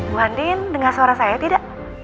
bu andin dengar suara saya tidak